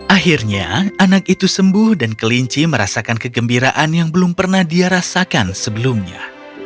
akhirnya anak itu sembuh dan kelinci merasakan kegembiraan yang belum pernah dia rasakan sebelumnya